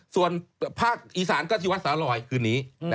ส่วนภาคอีสานก็ที่วัดสาลอยคืนนี้